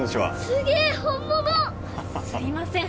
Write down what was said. すげえ本物すいません